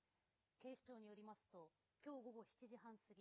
警視庁によりますときょう午後７時半過ぎ